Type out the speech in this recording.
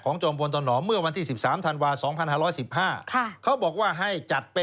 ของจมวลตนหอมเมื่อวันที่๑๓ธันวาส์๒๑๑๕